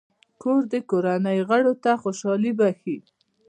کور د کورنۍ غړو ته خوشحالي بښي.